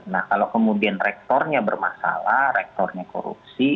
nah kalau kemudian rektornya bermasalah rektornya korupsi